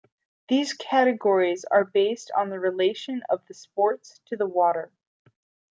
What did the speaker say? These categories are based on the relation of the sports to the water.